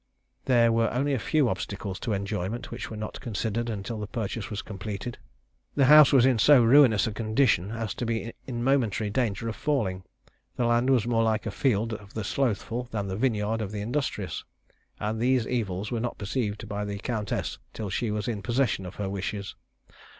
There were only a few obstacles to enjoyment which were not considered until the purchase was completed. The house was in so ruinous a condition as to be in momentary danger of falling. The land was more like the field of the slothful than the vineyard of the industrious; and these evils were not perceived by the countess till she was in possession of her wishes.